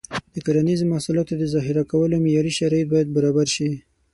د کرنیزو محصولاتو د ذخیره کولو معیاري شرایط باید برابر شي.